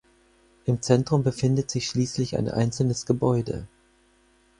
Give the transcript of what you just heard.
Im Zentrum befindet sich schließlich ein einzelnes Gebäude.